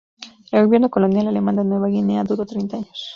El gobierno colonial alemán de Nueva Guinea duró treinta años.